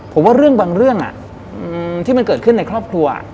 ผมว่าเรื่องบางเรื่องที่มันเกิดขึ้นในครอบครัว